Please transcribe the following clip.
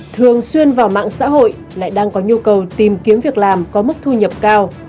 thường xuyên vào mạng xã hội lại đang có nhu cầu tìm kiếm việc làm có mức thu nhập cao